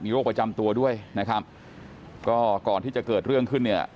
โรคประจำตัวด้วยนะครับก็ก่อนที่จะเกิดเรื่องขึ้นเนี่ย